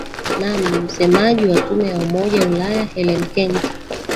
naam ni msemaji wa tume ya umoja ulaya hellen kent